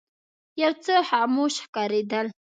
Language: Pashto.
یو څه خاموش ښکارېدل.